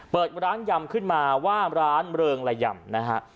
เปิดร้านยำขึ้นมาว่าร้านเริงละยำนะฮะ